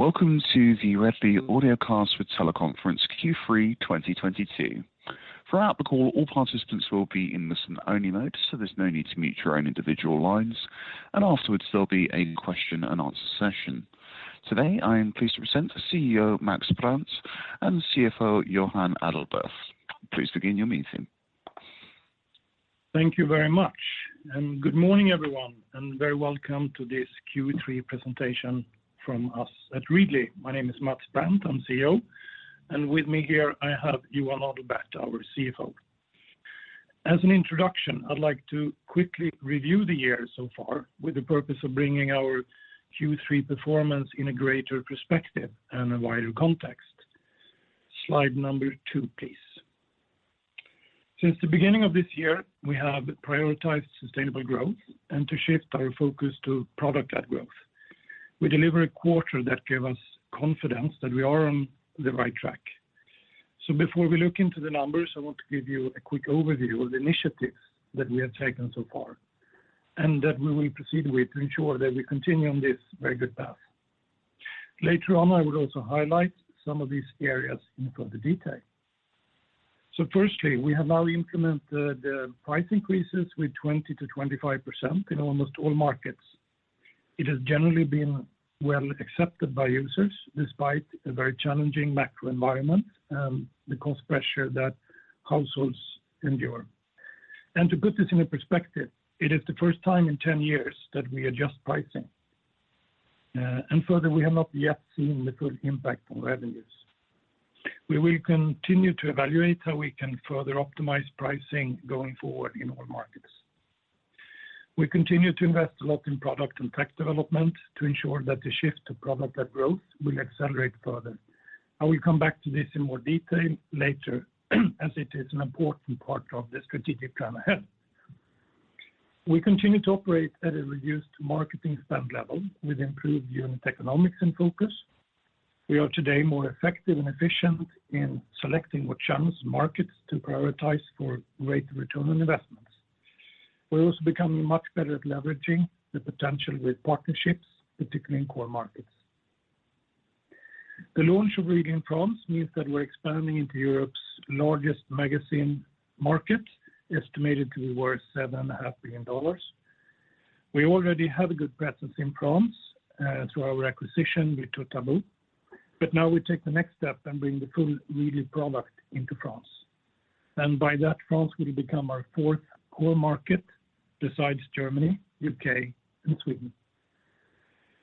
Welcome to the Readly Audiocast for Teleconference Q3 2022. Throughout the call, all participants will be in listen-only mode, so there's no need to mute your own individual lines. Afterwards, there'll be a question and answer session. Today, I am pleased to present CEO Mats Brandt and CFO Johan Adalberth. Please begin your meeting. Thank you very much. Good morning, everyone, and very welcome to this Q3 presentation from us at Readly. My name is Mats Brandt. I'm CEO. With me here, I have Johan Adalberth, our CFO. As an introduction, I'd like to quickly review the year so far with the purpose of bringing our Q3 performance in a greater perspective and a wider context. Slide number two, please. Since the beginning of this year, we have prioritized sustainable growth and to shift our focus to product-led growth. We delivered a quarter that gave us confidence that we are on the right track. Before we look into the numbers, I want to give you a quick overview of the initiatives that we have taken so far and that we will proceed with to ensure that we continue on this very good path. Later on, I would also highlight some of these areas in further detail. Firstly, we have now implemented the price increases with 20%-25% in almost all markets. It has generally been well accepted by users, despite a very challenging macro environment, the cost pressure that households endure. To put this in a perspective, it is the first time in 10 years that we adjust pricing. Further, we have not yet seen the full impact on revenues. We will continue to evaluate how we can further optimize pricing going forward in all markets. We continue to invest a lot in product and tech development to ensure that the shift to product-led growth will accelerate further. I will come back to this in more detail later as it is an important part of the strategic plan ahead. We continue to operate at a reduced marketing spend level with improved unit economics and focus. We are today more effective and efficient in selecting what channels and markets to prioritize for rate of return on investments. We're also becoming much better at leveraging the potential with partnerships, particularly in core markets. The launch of Readly in France means that we're expanding into Europe's largest magazine market, estimated to be worth $7.5 billion. We already have a good presence in France through our acquisition with Toutabo. We take the next step and bring the full Readly product into France. By that, France will become our fourth core market besides Germany, U.K., and Sweden.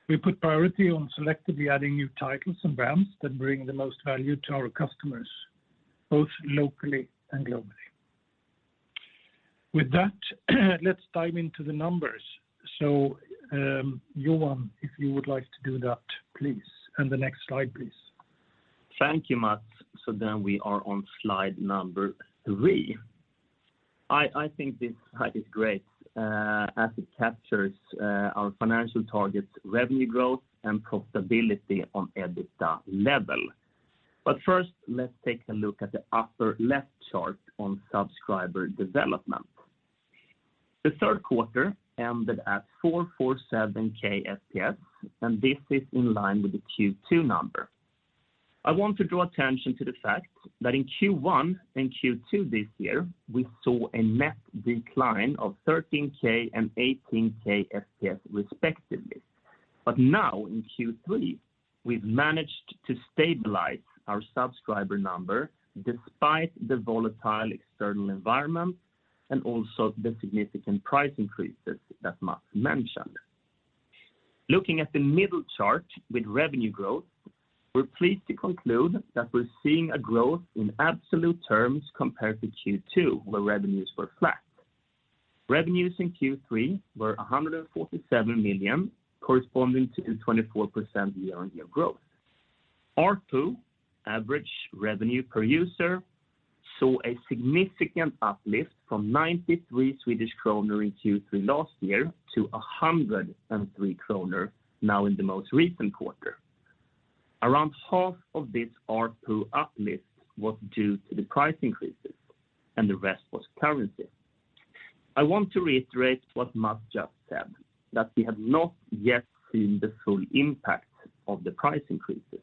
We put priority on selectively adding new titles and brands that bring the most value to our customers, both locally and globally. With that, let's dive into the numbers. Johan, if you would like to do that, please. The next slide, please. Thank you, Mats. We are on slide number three. I think this slide is great, as it captures our financial targets, revenue growth, and profitability on EBITDA level. First, let's take a look at the upper left chart on subscriber development. The third quarter ended at 447k FPS, and this is in line with the Q2 number. I want to draw attention to the fact that in Q1 and Q2 this year, we saw a net decline of 13k and 18k FPS respectively. Now in Q3, we've managed to stabilize our subscriber number despite the volatile external environment and also the significant price increases that Mats mentioned. Looking at the middle chart with revenue growth, we're pleased to conclude that we're seeing a growth in absolute terms compared to Q2, where revenues were flat. Revenues in Q3 were 147 million, corresponding to a 24% year-on-year growth. ARPU, Average Revenue Per User, saw a significant uplift from 93 Swedish kronor in Q3 last year to 103 kronor now in the most recent quarter. Around half of this ARPU uplift was due to the price increases, and the rest was currency. I want to reiterate what Mats just said, that we have not yet seen the full impact of the price increases.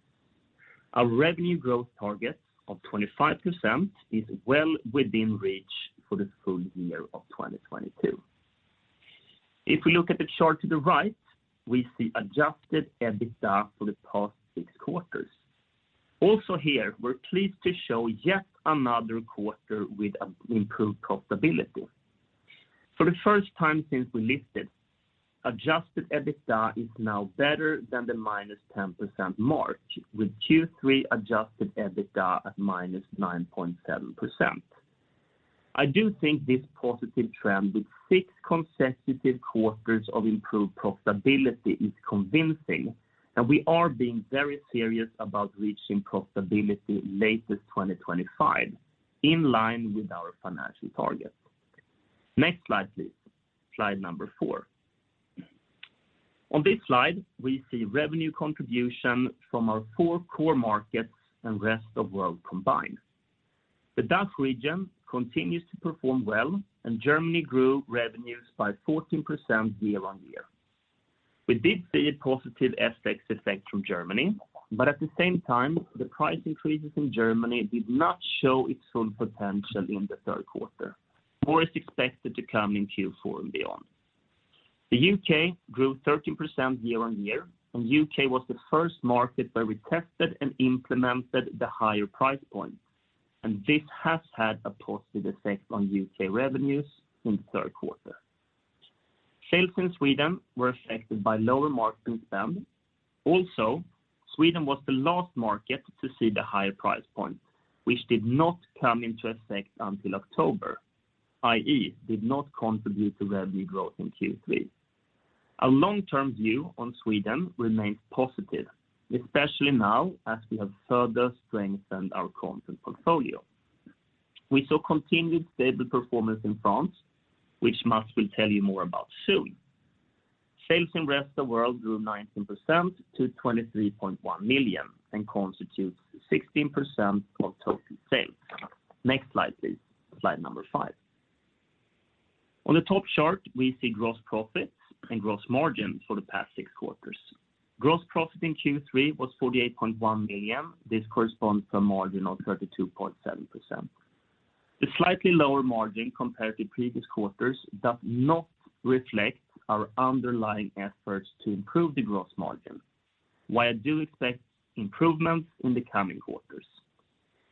Our revenue growth target of 25% is well within reach for the full year of 2022. If we look at the chart to the right, we see adjusted EBITDA for the past six quarters. Also here, we're pleased to show yet another quarter with improved profitability. For the first time since we listed, adjusted EBITDA is now better than the -10% margin, with Q3 adjusted EBITDA at -9.7%. I do think this positive trend with six consecutive quarters of improved profitability is convincing, and we are being very serious about reaching profitability latest 2025, in line with our financial targets. Next slide, please. Slide number four. On this slide, we see revenue contribution from our 4 core markets and rest of world combined. The DACH region continues to perform well, and Germany grew revenues by 14% year-on-year. We did see a positive FX effect from Germany, but at the same time, the price increases in Germany did not show its full potential in the third quarter, more is expected to come in Q4 and beyond. The U.K. grew 13% year-on-year, and U.K. was the first market where we tested and implemented the higher price point. This has had a positive effect on U.K. revenues in the third quarter. Sales in Sweden were affected by lower marketing spend. Also, Sweden was the last market to see the higher price point, which did not come into effect until October, i.e., did not contribute to revenue growth in Q3. Our long-term view on Sweden remains positive, especially now as we have further strengthened our content portfolio. We saw continued stable performance in France, which Mats will tell you more about soon. Sales in rest of the world grew 19% to 23.1 million and constitutes 16% of total sales. Next slide, please. Slide number five. On the top chart, we see gross profits and gross margin for the past six quarters. Gross profit in Q3 was 48.1 million. This corresponds to a margin of 32.7%. The slightly lower margin compared to previous quarters does not reflect our underlying efforts to improve the gross margin. While I do expect improvements in the coming quarters,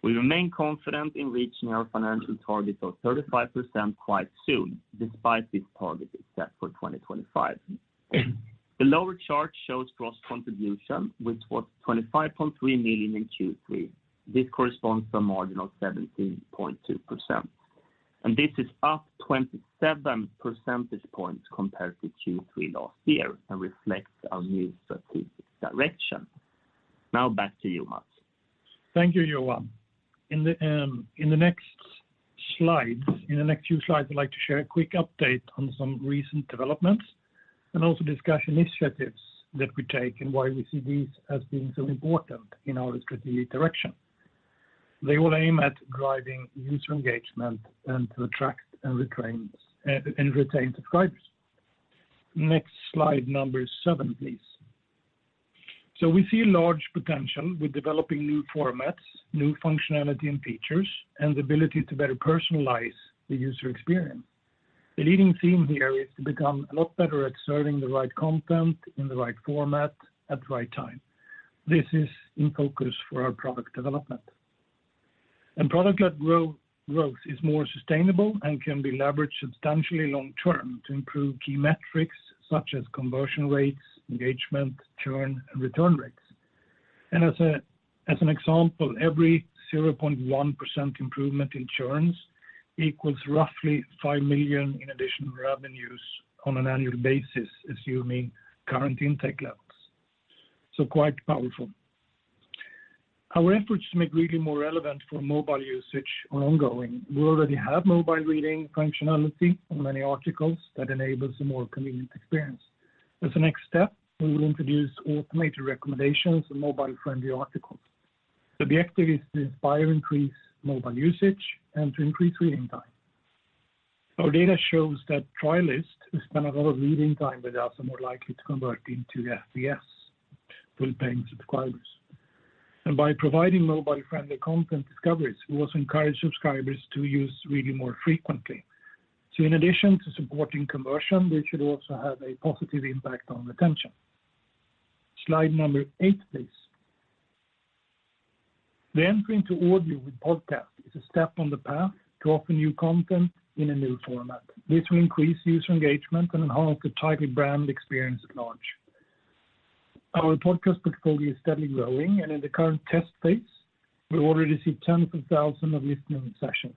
we remain confident in reaching our financial target of 35% quite soon, despite this target is set for 2025. The lower churn shows gross contribution, which was 25.3 million in Q3. This corresponds to a margin of 17.2%, and this is up 27 percentage points compared to Q3 last year and reflects our new strategic direction. Now back to you, Mats. Thank you, Johan. In the next slide, in the next few slides, I'd like to share a quick update on some recent developments and also discuss initiatives that we take and why we see these as being so important in our strategic direction. They all aim at driving user engagement and to attract and retain subscribers. Next slide number seven, please. We see large potential with developing new formats, new functionality and features, and the ability to better personalize the user experience. The leading theme here is to become a lot better at serving the right content in the right format at the right time. This is in focus for our product development. Product-led growth is more sustainable and can be leveraged substantially long term to improve key metrics such as conversion rates, engagement, churn, and return rates. As an example, every 0.1% improvement in churn equals roughly 5 million in additional revenues on an annual basis, assuming current intake levels. Quite powerful. Our efforts to make Readly more relevant for mobile usage are ongoing. We already have mobile reading functionality on many articles that enables a more convenient experience. As a next step, we will introduce automated recommendations and mobile-friendly articles. The objective is to inspire increased mobile usage and to increase reading time. Our data shows that trialists who spend a lot of reading time with us are more likely to convert into FPS, full-paying subscribers. By providing mobile-friendly content discoveries, we also encourage subscribers to use Readly more frequently. In addition to supporting conversion, they should also have a positive impact on retention. Slide number eight, please. The entry into audio with podcast is a step on the path to offer new content in a new format. This will increase user engagement and enhance the title brand experience at large. Our podcast portfolio is steadily growing, and in the current test phase, we already see tens of thousands of listening sessions.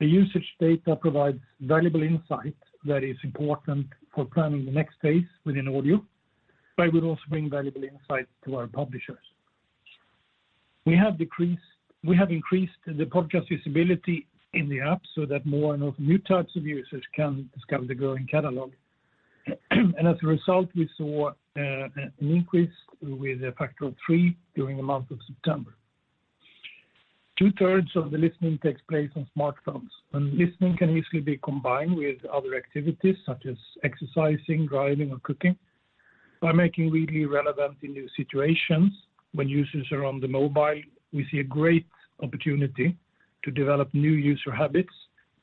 The usage data provides valuable insight that is important for planning the next phase within audio, but it will also bring valuable insight to our publishers. We have increased the podcast visibility in the app so that more of new types of users can discover the growing catalog. As a result, we saw an increase with a factor of three during the month of September. 2/3 of the listening takes place on smartphones, and listening can easily be combined with other activities such as exercising, driving, or cooking. By making Readly relevant in new situations when users are on the mobile, we see a great opportunity to develop new user habits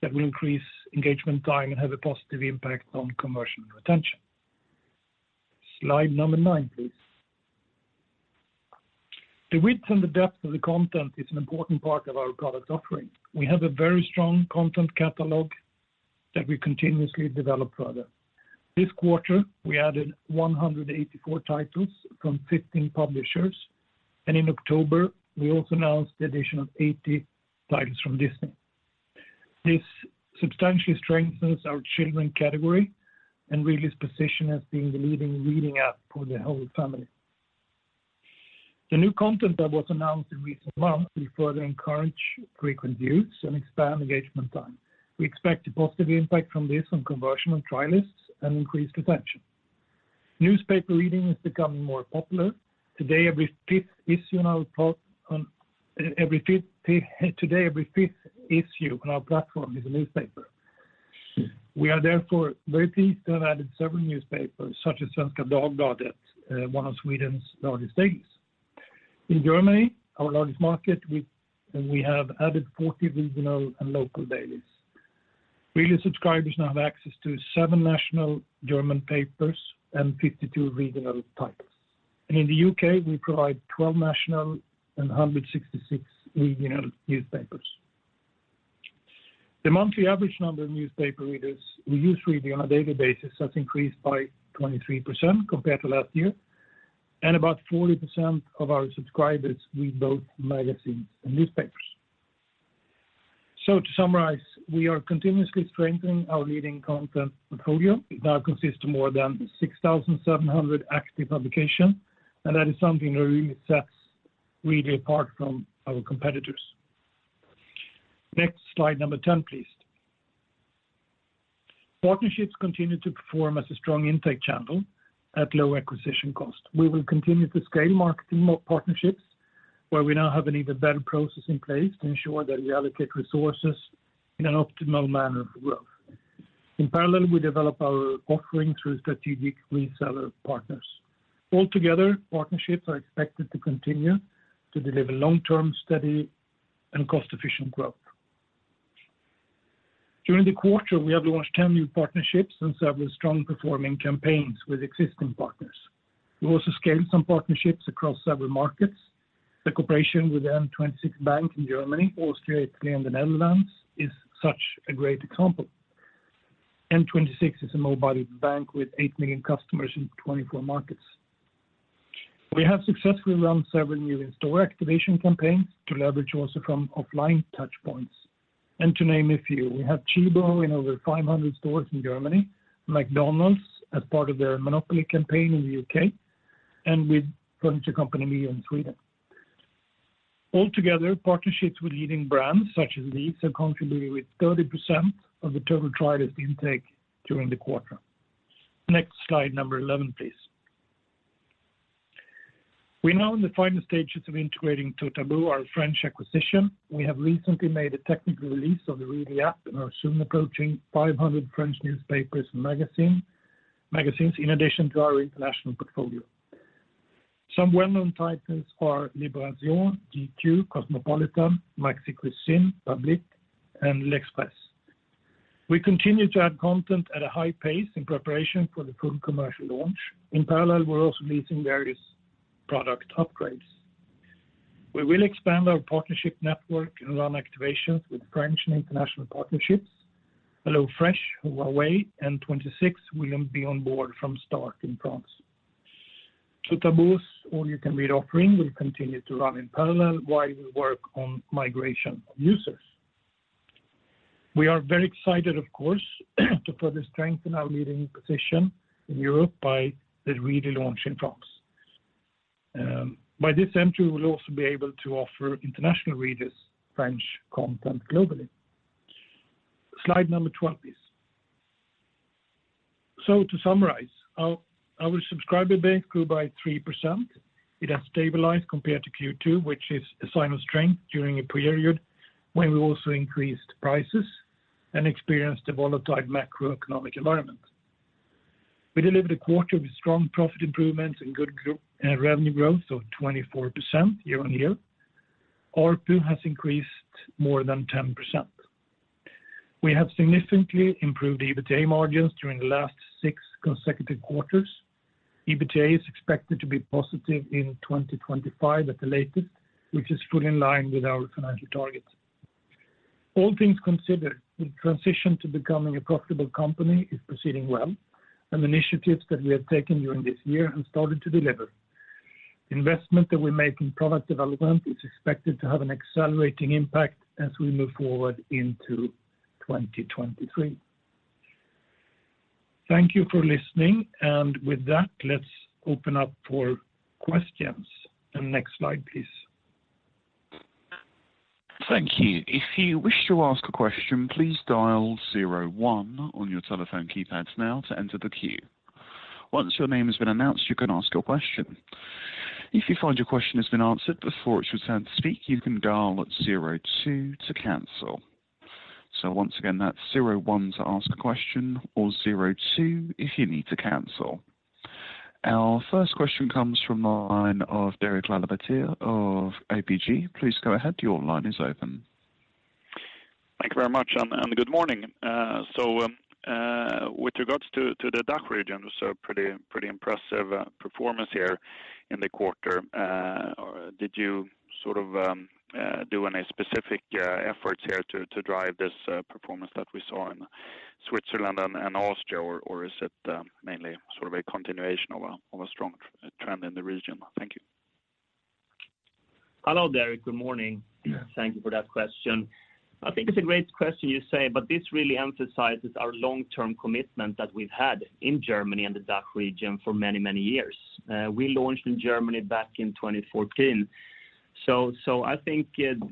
that will increase engagement time and have a positive impact on conversion and retention. Slide number nine, please. The width and the depth of the content is an important part of our product offering. We have a very strong content catalog that we continuously develop further. This quarter, we added 184 titles from 15 publishers, and in October, we also announced the addition of 80 titles from Disney. This substantially strengthens our children category and Readly's position as being the leading reading app for the whole family. The new content that was announced in recent months will further encourage frequent use and expand engagement time. We expect a positive impact from this on conversion and trialists and increased retention. Newspaper reading is becoming more popular. Today, every fifth issue on our platform is a newspaper. We are therefore very pleased to have added several newspapers, such as Svenska Dagbladet, one of Sweden's largest dailies. In Germany, our largest market, we have added 40 regional and local dailies. Readly subscribers now have access to seven national German papers and 52 regional titles. In the U.K., we provide 12 national and 166 regional newspapers. The monthly average number of newspaper readers who use Readly on a daily basis has increased by 23% compared to last year, and about 40% of our subscribers read both magazines and newspapers. To summarize, we are continuously strengthening our leading content portfolio. It now consists of more than 6,700 active publications, and that is something that really sets Readly apart from our competitors. Next, slide number 10, please. Partnerships continue to perform as a strong intake channel at low acquisition cost. We will continue to scale marketing partnerships, where we now have an even better process in place to ensure that we allocate resources in an optimal manner for growth. In parallel, we develop our offering through strategic reseller partners. Altogether, partnerships are expected to continue to deliver long-term, steady, and cost-efficient growth. During the quarter, we have launched 10 new partnerships and several strong performing campaigns with existing partners. We also scaled some partnerships across several markets. The cooperation with N26 Bank in Germany, Austria, Italy, and the Netherlands is such a great example. N26 is a mobile bank with 8 million customers in 24 markets. We have successfully run several new in-store activation campaigns to leverage also from offline touchpoints. To name a few, we have Tchibo in over 500 stores in Germany, McDonald's as part of their Monopoly campaign in the U.K., and with furniture company Jysk in Sweden. Altogether, partnerships with leading brands such as these have contributed with 30% of the total trialist intake during the quarter. Next slide, number 11, please. We're now in the final stages of integrating Toutabo, our French acquisition. We have recently made a technical release of the Readly app and are soon approaching 500 French newspapers and magazines in addition to our international portfolio. Some well-known titles are Libération, GQ, Cosmopolitan, Maxi Cuisine, Public, and L'Express. We continue to add content at a high pace in preparation for the full commercial launch. In parallel, we're also releasing various product upgrades. We will expand our partnership network and run activations with French and international partnerships. HelloFresh, Huawei, N26 will be on board from start in France. Toutabo's all-you-can-read offering will continue to run in parallel while we work on migration of users. We are very excited, of course, to further strengthen our leading position in Europe by the Readly launch in France. By this entry, we'll also be able to offer international readers French content globally. Slide number 12, please. To summarize, our subscriber base grew by 3%. It has stabilized compared to Q2, which is a sign of strength during a period when we also increased prices and experienced a volatile macroeconomic environment. We delivered a quarter with strong profit improvements and good revenue growth of 24% year-on-year. ARPU has increased more than 10%. We have significantly improved EBITDA margins during the last six consecutive quarters. EBITDA is expected to be positive in 2025 at the latest, which is fully in line with our financial targets. All things considered, the transition to becoming a profitable company is proceeding well, and initiatives that we have taken during this year have started to deliver. Investment that we make in product development is expected to have an accelerating impact as we move forward into 2023. Thank you for listening. With that, let's open up for questions. Next slide, please. Thank you. If you wish to ask a question, please dial zero one on your telephone keypads now to enter the queue. Once your name has been announced, you can ask your question. If you find your question has been answered before it's your turn to speak, you can dial at zero two to cancel. Once again, that's zero one to ask a question or zero two if you need to cancel. Our first question comes from the line of Derek Laliberté of ABG. Please go ahead. Your line is open. Thank you very much and good morning. With regards to the DACH region, pretty impressive performance here in the quarter. Did you sort of do any specific efforts here to drive this performance that we saw in Switzerland and Austria, or is it mainly sort of a continuation of a strong trend in the region? Thank you. Hello, Derek. Good morning. Thank you for that question. I think it's a great question you say. This really emphasizes our long-term commitment that we've had in Germany and the DACH region for many years. We launched in Germany back in 2014. I think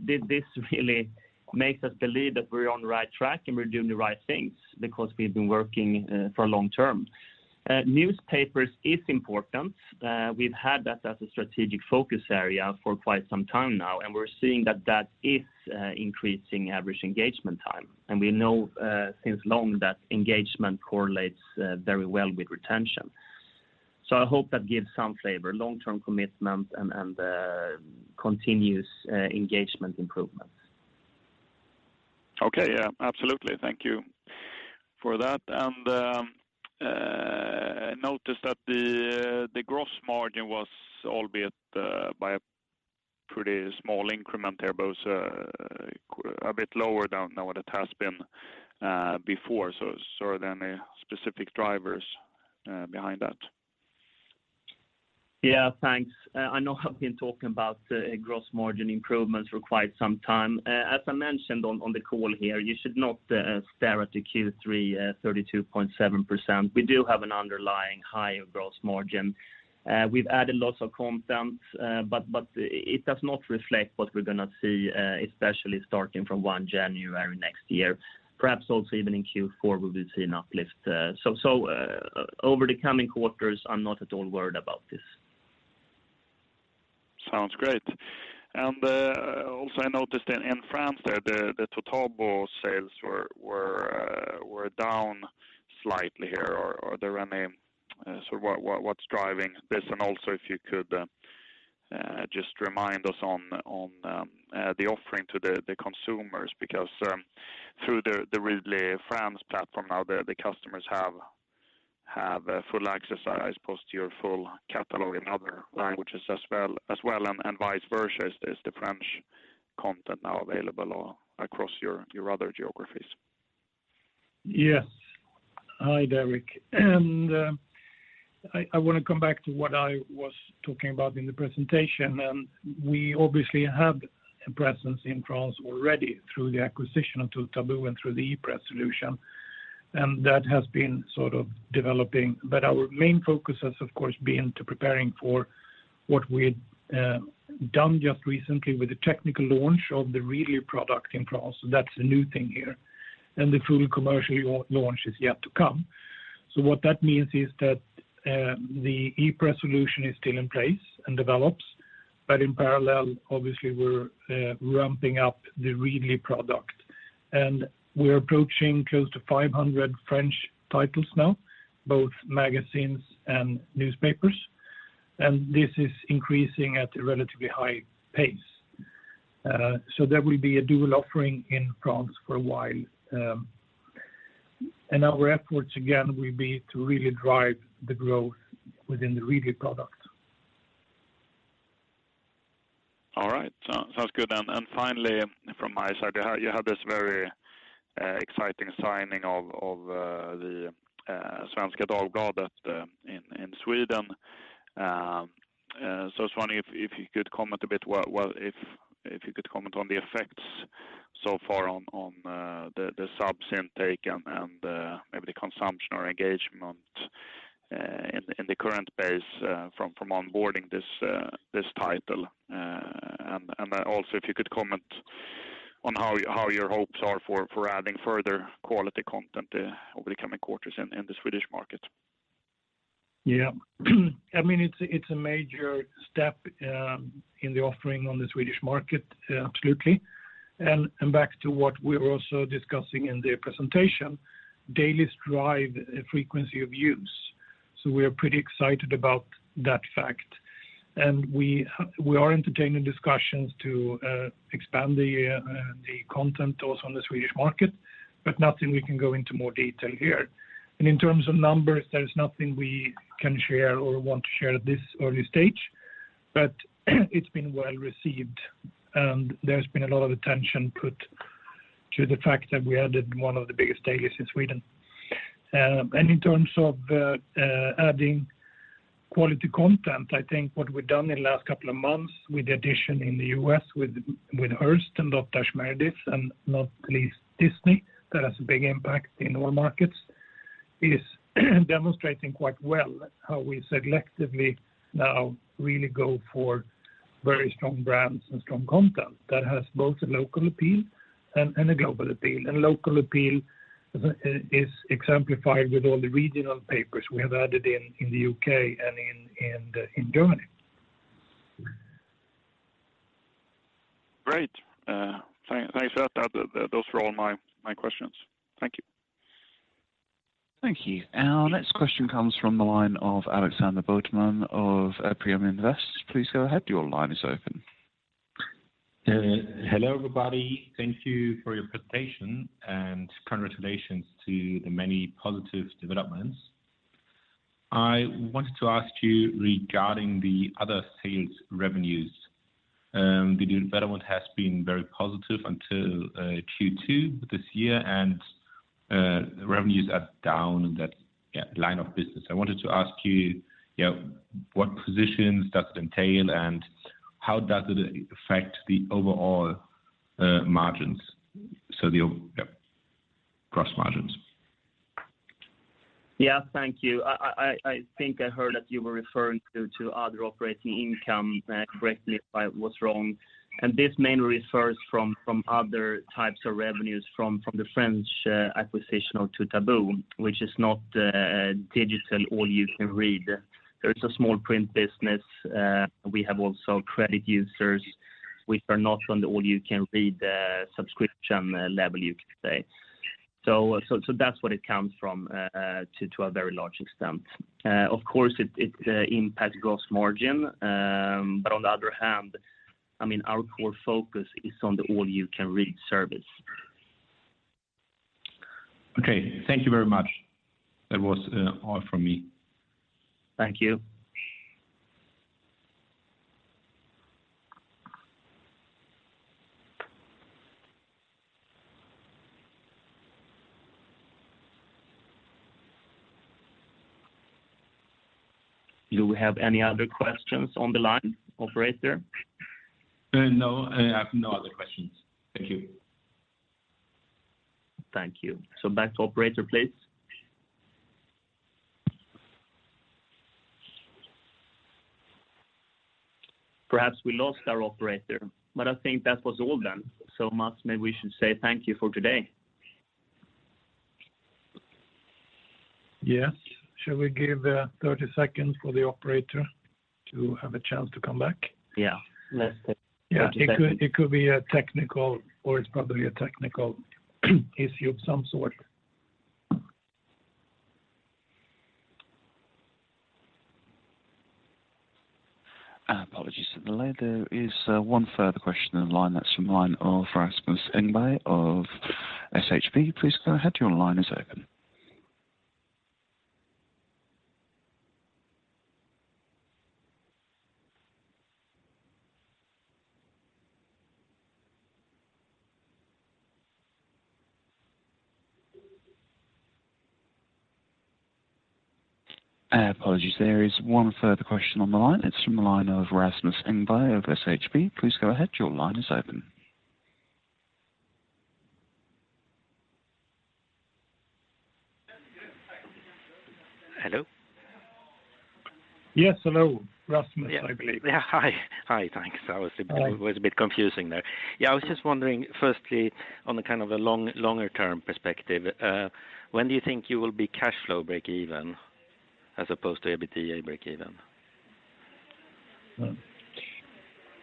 this really makes us believe that we're on the right track and we're doing the right things because we've been working for long term. Newspapers is important. We've had that as a strategic focus area for quite some time now, and we're seeing that that is increasing average engagement time. We know since long that engagement correlates very well with retention. I hope that gives some flavor, long-term commitment and continuous engagement improvements. Okay. Yeah, absolutely. Thank you for that. I noticed that the gross margin was, albeit by a pretty small increment there, but was a bit lower than what it has been before. Sort of any specific drivers behind that? Yeah, thanks. I know I've been talking about gross margin improvements for quite some time. As I mentioned on the call here, you should not stare at the Q3 32.7%. We do have an underlying higher gross margin. We've added lots of content, but it does not reflect what we're gonna see, especially starting from 1 January next year. Perhaps also even in Q4, we will see an uplift. Over the coming quarters, I'm not at all worried about this. Sounds great. Also, I noticed in France that the Toutabo sales were down slightly here. What's driving this? Also if you could just remind us on the offering to the consumers, because through the Readly France platform now, the customers have full access, I suppose, to your full catalog in other languages as well, and vice versa. Is the French content now available across your other geographies? Yes. Hi, Derek. I wanna come back to what I was talking about in the presentation. We obviously have a presence in France already through the acquisition of Toutabo and through the ePresse solution. That has been sort of developing. Our main focus has, of course, been to preparing for what we had done just recently with the technical launch of the Readly product in France. That's a new thing here. The full commercial launch is yet to come. What that means is that, the ePresse solution is still in place and develops, but in parallel, obviously we're ramping up the Readly product. We're approaching close to 500 French titles now, both magazines and newspapers, and this is increasing at a relatively high pace. There will be a dual offering in France for a while. Our efforts, again, will be to really drive the growth within the Readly product. All right. Sounds good. Finally, from my side, you have this very exciting signing of the Svenska Dagbladet in Sweden. I was wondering if you could comment a bit, well, if you could comment on the effects so far on the subs intake and maybe the consumption or engagement in the current base from onboarding this title. Also if you could comment on how your hopes are for adding further quality content over the coming quarters in the Swedish market. Yeah. I mean, it's a major step in the offering on the Swedish market, absolutely. Back to what we were also discussing in the presentation, dailies drive frequency of use. We are pretty excited about that fact. We are entertaining discussions to expand the content also on the Swedish market, but nothing we can go into more detail here. In terms of numbers, there is nothing we can share or want to share at this early stage, but it's been well received, and there's been a lot of attention put to the fact that we added one of the biggest dailies in Sweden. In terms of adding quality content, I think what we've done in the last couple of months with the addition in the U.S. with Hearst and Dotdash Meredith, and not least Disney, that has a big impact in our markets, is demonstrating quite well how we selectively now really go for very strong brands and strong content that has both a local appeal and a global appeal. Local appeal is exemplified with all the regional papers we have added in the U.K. and in Germany. Great. Thanks for that. Those were all my questions. Thank you. Thank you. Our next question comes from the line of Alexander Bottemanne of Premium Invest. Please go ahead. Your line is open. Hello, everybody. Thank you for your presentation, and congratulations to the many positive developments. I wanted to ask you regarding the other sales revenues. The development has been very positive until Q2 this year, and revenues are down in that line of business. I wanted to ask you know, what positions does it entail, and how does it affect the overall margins? So the gross margins. Yeah. Thank you. I think I heard that you were referring to other operating income correctly, if I was wrong, and this mainly refers from other types of revenues from the French acquisition of Toutabo, which is not a digital all-you-can-read. There is a small print business. We have also credit users which are not on the all-you-can-read subscription level, you could say. That's what it comes from to a very large extent. Of course, it impacts gross margin. On the other hand, I mean, our core focus is on the all-you-can-read service. Okay. Thank you very much. That was all from me. Thank you. Do we have any other questions on the line, operator? No. I have no other questions. Thank you. Thank you. Back to operator, please. Perhaps we lost our operator. I think that was all then. Mats, maybe we should say thank you for today. Yes. Shall we give 30 seconds for the operator to have a chance to come back? Yeah. Let's give 30 seconds. Yeah. It could be a technical or it's probably a technical issue of some sort. Apologies for the delay. There is one further question on the line. It's from the line of Rasmus Engberg of Handelsbanken. Please go ahead. Your line is open. Hello? Yes, hello. Rasmus, I believe. Yeah. Hi. Thanks. Hi. A bit, was a bit confusing there. Yeah, I was just wondering, firstly, on a kind of a long, longer-term perspective, when do you think you will be cash flow break even as opposed to EBITDA break even?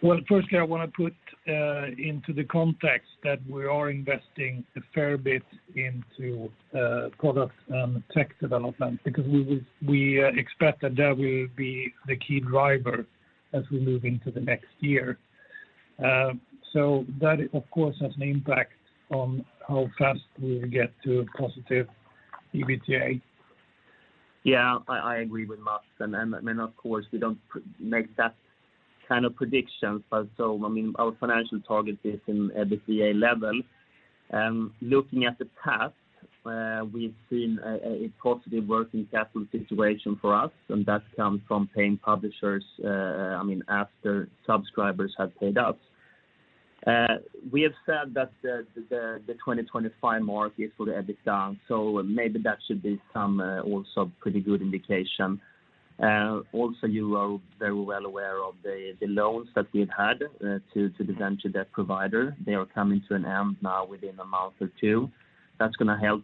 Well, firstly, I wanna put into the context that we are investing a fair bit into products and tech development because we expect that that will be the key driver as we move into the next year. That of course has an impact on how fast we'll get to a positive EBITDA. Yeah. I agree with Mats. I mean, of course, we don't make that kind of prediction. I mean, our financial target is in EBITDA level. Looking at the past, we've seen a positive working capital situation for us, and that comes from paying publishers. I mean, after subscribers have paid up. We have said that the 2025 mark is for the EBITDA. Maybe that should be some also pretty good indication. Also you are very well aware of the loans that we've had to the venture debt provider. They are coming to an end now within a month or two. That's gonna help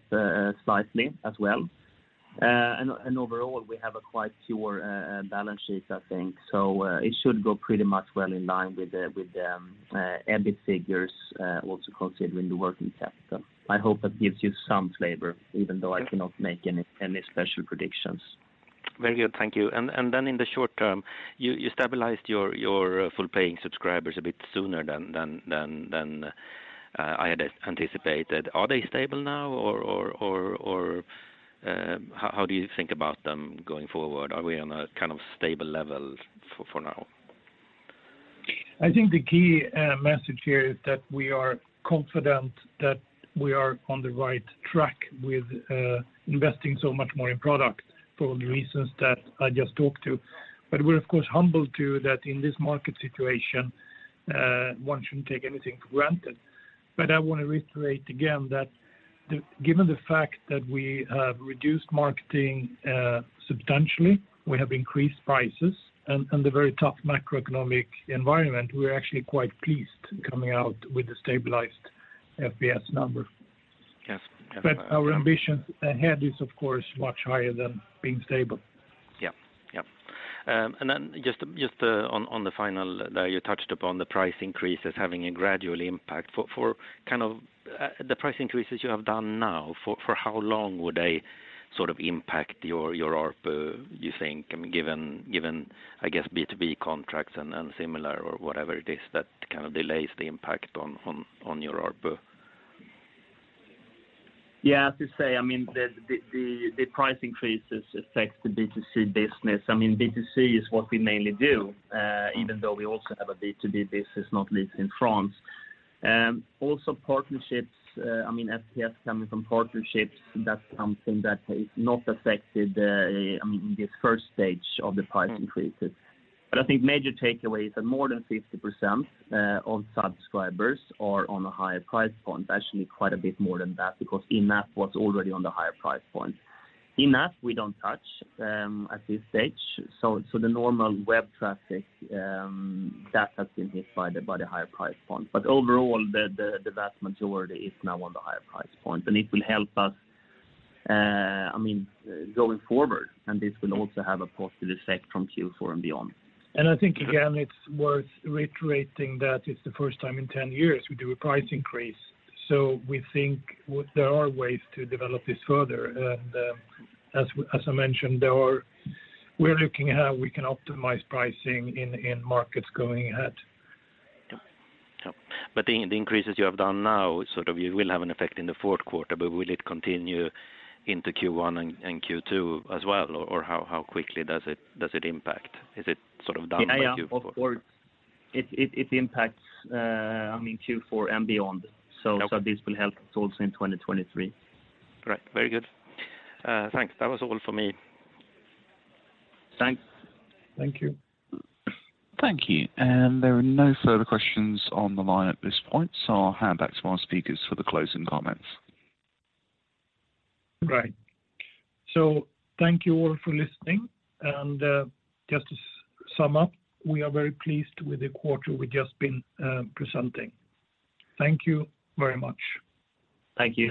slightly as well. Overall, we have a quite pure balance sheet I think. It should go pretty much well in line with the EBIT figures, also considering the working capital. I hope that gives you some flavor even though I cannot make any special predictions. Very good. Thank you. In the short term, you stabilized your full-paying subscribers a bit sooner than I had anticipated. Are they stable now or how do you think about them going forward? Are we on a kind of stable level for now? I think the key message here is that we are confident that we are on the right track with investing so much more in product for the reasons that I just talked about. We're of course humble about that in this market situation, one shouldn't take anything for granted. I wanna reiterate again that given the fact that we have reduced marketing substantially, we have increased prices and the very tough macroeconomic environment, we're actually quite pleased coming out with a stabilized FPS number. Yes. Definitely. Our ambition ahead is of course much higher than being stable. Yeah. Just on the final there, you touched upon the price increases having a gradual impact. For kind of the price increases you have done now, for how long would they sort of impact your ARPU, you think? I mean, given I guess B2B contracts and similar or whatever it is that kind of delays the impact on your ARPU. Yeah. As you say, I mean, the price increases affects the B2C business. I mean, B2C is what we mainly do, even though we also have a B2B business, not least in France. Also partnerships, I mean, FPS coming from partnerships, that's something that is not affected, I mean, in this first stage of the price increases. I think major takeaways are more than 50% of subscribers are on a higher price point. Actually, quite a bit more than that because in-app was already on the higher price point. In-app, we don't touch at this stage. The normal web traffic that has been hit by the higher price point. Overall, the vast majority is now on the higher price point, and it will help us, I mean, going forward, and this will also have a positive effect from Q4 and beyond. I think, again, it's worth reiterating that it's the first time in 10 years we do a price increase. We think there are ways to develop this further. As I mentioned, we're looking at how we can optimize pricing in markets going ahead. Yep. The increases you have done now sort of you will have an effect in the fourth quarter, but will it continue into Q1 and Q2 as well, or how quickly does it impact? Is it sort of done by Q4? Yeah, yeah. Of course, it impacts, I mean Q4 and beyond. Okay. This will help us also in 2023. Great. Very good. Thanks. That was all for me. Thanks. Thank you. Thank you. There are no further questions on the line at this point, so I'll hand back to my speakers for the closing comments. Great. Thank you all for listening. Just to sum up, we are very pleased with the quarter we've just been presenting. Thank you very much. Thank you.